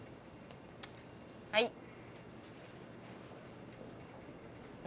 はい。